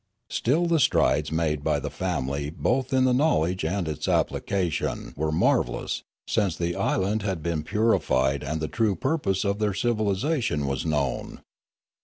Still the strides made by the family both in the knowledge and its application were marvellous, since the island had been purified and the true purpose of their civilisation was known.